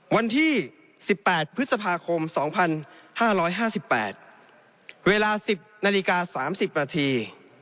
วันที่๑๘พฤษภาคม๒๕๕๘เวลา๑๐นาฬิกา๓๐นาที